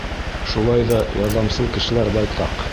Шулай ҙа ярҙамсыл кешеләр байтаҡ.